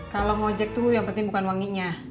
kalau ngojek tuh yang penting bukan wanginya